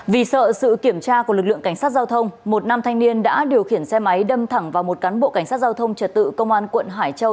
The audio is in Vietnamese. vì sợ sự kiểm tra của lực lượng cảnh sát giao thông một nam thanh niên đã điều khiển xe máy đâm thẳng vào một cán bộ cảnh sát giao thông trật tự công an quận hải châu